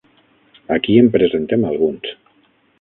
Aquí en presentem alguns.